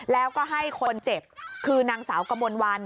แล้วก็ให้คนเจ็บคือนางสาวกมลวัน